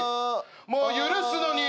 もう許すのに。